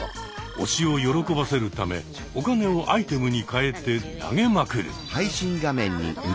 推しを喜ばせるためお金をアイテムに換えて投げまくる。